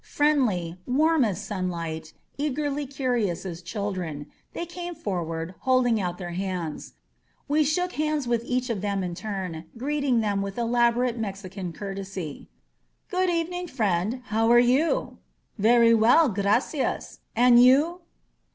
Friendly, warm as sunlight, eagerly curious as children, they came forward, holding out their hands. We shook hands with each of them in turn, greeting them with elaborate Mexican courtesy. "Good evening, friend. How are you?" "Very well, graciaa. And you?"